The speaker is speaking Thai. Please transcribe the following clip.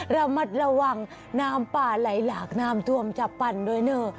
ระมัดระวังน้ำป่าไหลหลากน้ำท่วมจับปั่นด้วยเนอะ